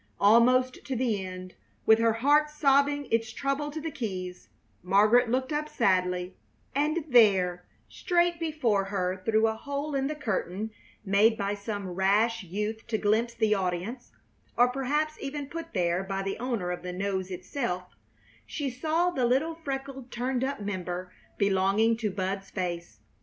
Almost to the end, with her heart sobbing its trouble to the keys, Margaret looked up sadly, and there, straight before her through a hole in the curtain made by some rash youth to glimpse the audience, or perhaps even put there by the owner of the nose itself, she saw the little, freckled, turned up member belonging to Bud's face.